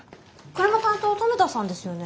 これも担当留田さんですよね？